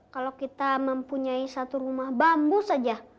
kalau kita mempunyai satu rumah bambu saja